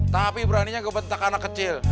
tapi beraninya kebentak anak kecil